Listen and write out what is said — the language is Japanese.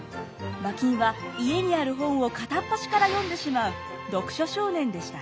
馬琴は家にある本を片っ端から読んでしまう読書少年でした。